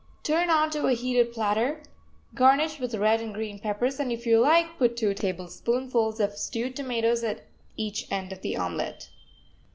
Turn onto a heated platter, garnish with red and green peppers, and, if you like, put two tablespoonfuls of stewed tomatoes at each end of the omelet.